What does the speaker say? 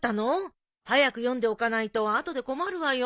早く読んでおかないと後で困るわよ。